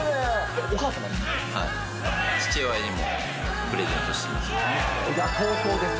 父親にもプレゼントしてます。